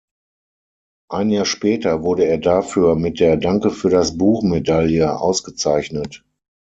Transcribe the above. Ein Jahr später wurde er dafür mit der Danke-für-das-Buch-Medaille ausgezeichnet.